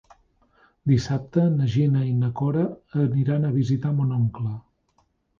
Dissabte na Gina i na Cora aniran a visitar mon oncle.